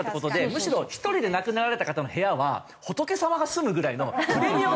むしろ独りで亡くなられた方の部屋は仏様が住むぐらいのプレミアムを付けないと。